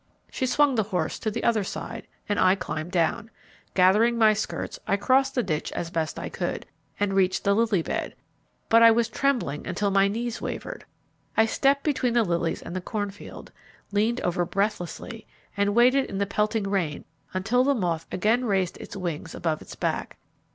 She swung the horse to the other side, and I climbed down. Gathering my skirts, I crossed the ditch as best I could, and reached the lily bed, but I was trembling until my knees wavered. I stepped between the lilies and the cornfield, leaned over breathlessly, and waited in the pelting rain, until the moth again raised its wings above its back.